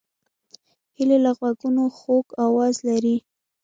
هیلۍ له غوږونو خوږ آواز لري